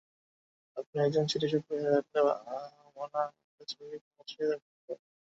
আপনি একজন চিত্রশিল্পী হয়ে থাকলে আপনার আঁকা ছবি কোনো প্রদর্শনীতে প্রশংসিত হবে।